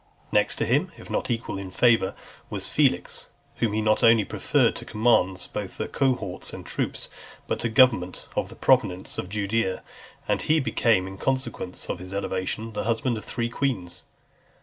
Next to him, if not equal, in favour was Felix , whom he not only preferred to commands both of cohorts and troops, but to the government of the province of Judaea; and he became, in consequence of his elevation, the husband of three queens .